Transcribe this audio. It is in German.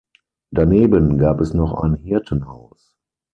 Daneben gab es noch ein Hirtenhaus.